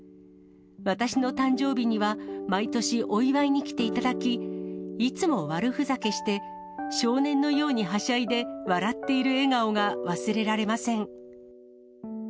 私の誕生日には、毎年、お祝いに来ていただき、いつも悪ふざけして、少年のようにはしゃいで笑っている笑顔が忘れられません。